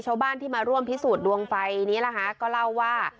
ชาวบ้านที่มาร่วมพิสูจน์ดวงไฟนี้นะคะก็เล่าว่า